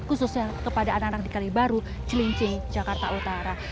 khususnya kepada anak anak di kalibaru celincing jakarta utara